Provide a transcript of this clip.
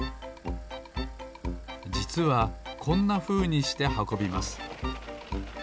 じつはこんなふうにしてはこびます